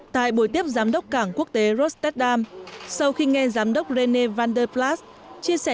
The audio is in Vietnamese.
tại buổi tiếp giám đốc cảng quốc tế rotterdam sau khi nghe giám đốc rené van der plaat chia sẻ